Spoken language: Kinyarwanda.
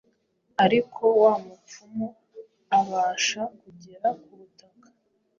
ariko wa mupfumu abasha kugera ku butaka